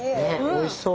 おいしそう。